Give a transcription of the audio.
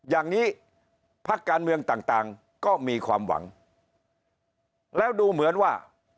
อย่างนี้พักการเมืองต่างก็มีความหวังแล้วดูเหมือนว่า